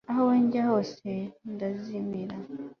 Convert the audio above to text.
aho njya hose, ndazimira